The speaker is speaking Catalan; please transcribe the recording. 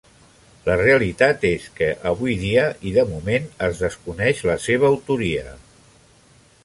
La realitat és que, avui dia i de moment, es desconeix la seva autoria.